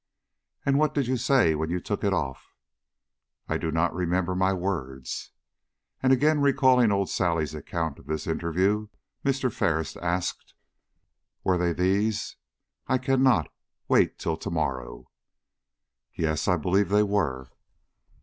"And what did you say when you took it off?" "I do not remember my words." Again recalling old Sally's account of this interview, Mr. Ferris asked: "Were they these: 'I cannot. Wait till to morrow'?" "Yes, I believe they were."